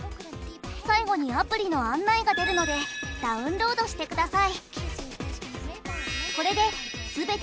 最後にアプリの案内が出るのでダウンロードしてください。